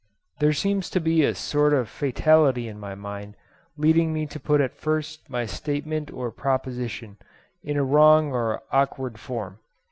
There seems to be a sort of fatality in my mind leading me to put at first my statement or proposition in a wrong or awkward form.